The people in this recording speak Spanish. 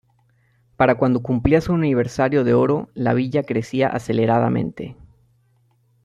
Para cuando cumplía su aniversario de oro, la villa crecía aceleradamente.